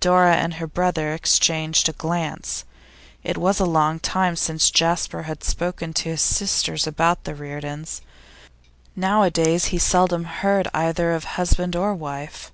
Dora and her brother exchanged a glance. It was a long time since Jasper had spoken to his sisters about the Reardons; nowadays he seldom heard either of husband or wife.